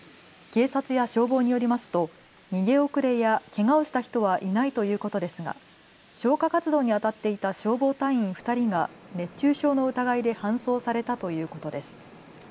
警察や消防によりますと逃げ遅れやけがをした人はいないということですが、消火活動にあたっていた消防隊員２人が熱中症の疑いで搬送されたということです。